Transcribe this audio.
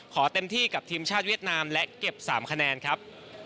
เต็มที่กับทีมชาติเวียดนามและเก็บ๓คะแนนครับ